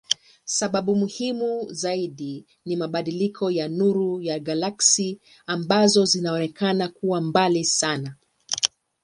Sababu muhimu zaidi ni mabadiliko ya nuru ya galaksi ambazo zinaonekana kuwa mbali sana.